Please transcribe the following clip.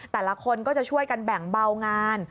แต่ละคนก็จะช่วยกันแบ่งเบางาน